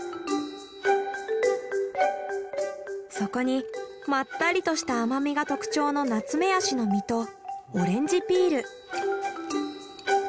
そこにまったりとした甘みが特徴のナツメヤシの実とオレンジピール。